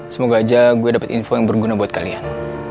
semoga aja gue dapat info yang berguna buat kalian